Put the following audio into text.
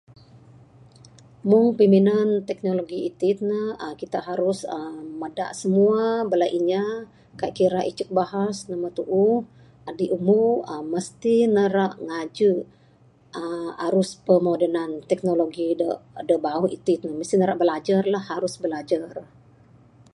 Muk peminan teknologi itik ne uhh kitak harus uhh meda semua bala inya kaik kira icik bahas de me tuuh adi amu uhh mesti ne irak ngajek uhh arus pemuminan teknologi de bauh itik mesti ne irak belajer lah harus belajer.